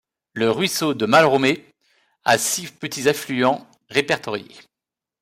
Le ruisseau de Malromé a six petits affluents répertoriés.